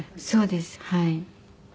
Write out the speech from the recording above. そうですはい。